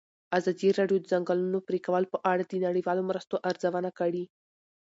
ازادي راډیو د د ځنګلونو پرېکول په اړه د نړیوالو مرستو ارزونه کړې.